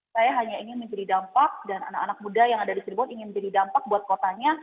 saya hanya ingin menjadi dampak dan anak anak muda yang ada di cirebon ingin menjadi dampak buat kotanya